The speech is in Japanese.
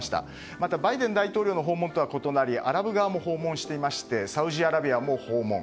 また、バイデン大統領の訪問とは異なりアラブ側も訪問してサウジアラビアも訪問。